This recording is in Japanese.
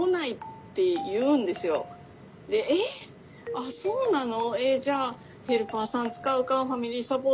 あっそうなの？